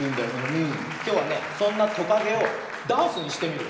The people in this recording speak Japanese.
きょうはねそんなトカゲをダンスにしてみるよ。